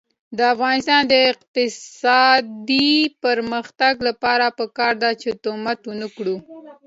د افغانستان د اقتصادي پرمختګ لپاره پکار ده چې تهمت ونکړو.